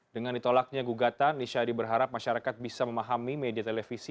dengan ditolaknya gugatan nishadi berharap masyarakat bisa memahami media televisi